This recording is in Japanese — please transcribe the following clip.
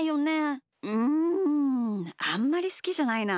うんあんまりすきじゃないな。